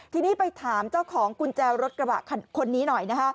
ทีนี้ไปถามเจ้าของกุญแจรถกระบะคนนี้หน่อยนะคะ